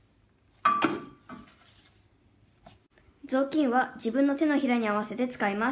「ぞうきんは自分の手のひらに合わせて使います。